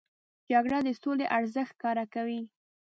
جګړه د سولې ارزښت ښکاره کوي